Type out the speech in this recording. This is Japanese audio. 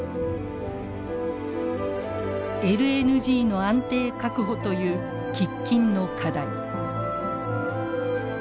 ＬＮＧの安定確保という喫緊の課題。